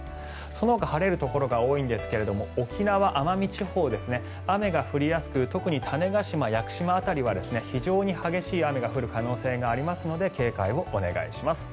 そのほか晴れるところが多いんですが沖縄・奄美地方は雨が降りやすく特に種子島、屋久島辺りは非常に激しい雨が降る可能性がありますので警戒をお願いします。